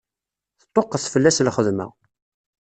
Teṭṭuqqet fell-as lxedma.